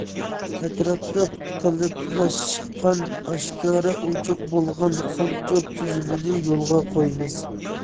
ئەتراپلىق قېلىپلاشقان، ئاشكارا، ئوچۇق بولغان خامچوت تۈزۈمىنى يولغا قويىمىز.